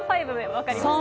分かりました。